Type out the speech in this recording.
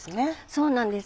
そうなんです。